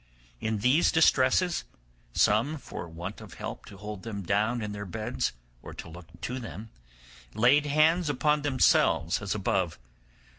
In these distresses, some, for want of help to hold them down in their beds, or to look to them, laid hands upon themselves as above.